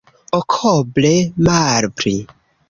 Okoble malpli.